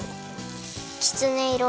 きつねいろ。